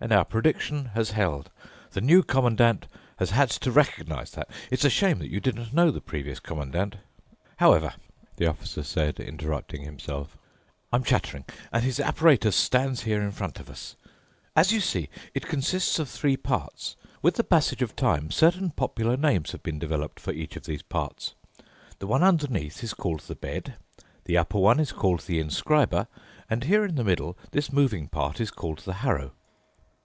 And our prediction has held. The New Commandant has had to recognize that. It's a shame that you didn't know the previous Commandant!" "However," the Officer said, interrupting himself, "I'm chattering, and his apparatus stands here in front of us. As you see, it consists of three parts. With the passage of time certain popular names have been developed for each of these parts. The one underneath is called the bed, the upper one is called the inscriber, and here in the middle, this moving part is called the harrow."